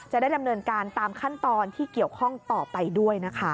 จะได้ดำเนินการตามขั้นตอนที่เกี่ยวข้องต่อไปด้วยนะคะ